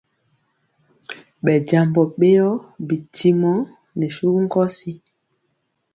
Ɓɛ jambɔ ɓeyɔ bitimɔ nɛ suwu nkɔsi.